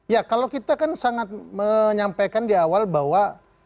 ya kalau kita kan sangat menyampaikan di awal bahwa